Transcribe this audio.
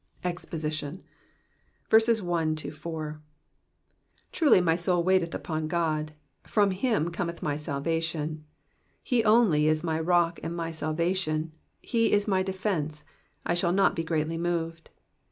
EXPOSITION. TRULY my soul waiteth upon God : from him cometh my salvation. 2 He only is my rock and my salvation ; he is my defence ; I shall not be greatly moved.